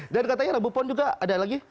dan katanya rabu pon juga ada lagi